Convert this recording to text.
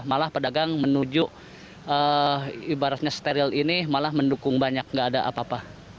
malah pedagang menuju ibaratnya steril ini malah mendukung banyak nggak ada apa apa